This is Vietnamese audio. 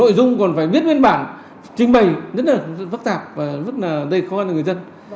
nội dung còn phải viết nguyên bản trình bày rất là phức tạp và rất là đầy khoan cho người dân